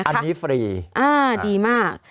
อันนี้ฟรีดีมาก